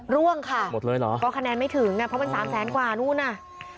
ล่วงค่ะก็คะแนนไม่ถึงนะเพราะมัน๓แสนกว่านู่นน่ะหมดเลยเหรอ